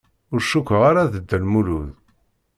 Ur cukkeɣ ara d Dda Lmulud.